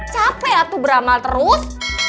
capek atur beramal terus